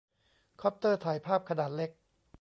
คอปเตอร์ถ่ายภาพขนาดเล็ก